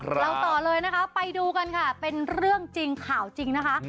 เราต่อเลยนะคะไปดูกันค่ะเป็นเรื่องจริงข่าวจริงนะคะ